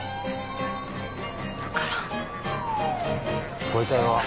分からんご遺体は？